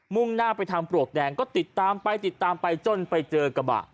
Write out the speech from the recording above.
มุ่งหน้าไปทางปลวกแดงก็ติดตามไปจนไปเจอกระบะ